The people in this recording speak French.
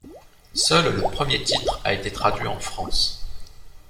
Seul le premier titre a été traduit en France.